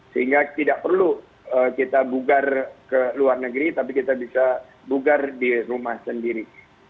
sehingga tidak perlu kita bugar ke luar negeri tapi kita bisa bugar di rumah sendiri